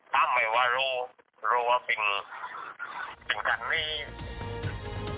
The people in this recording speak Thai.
ตามไว้ว่ารู้รู้ว่าเป็นกันนี่